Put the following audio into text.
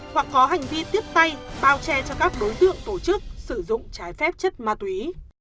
hoặc có hành vi tiếp tay bao che cho các đối tượng tổ chức sử dụng trái phép chất ma túy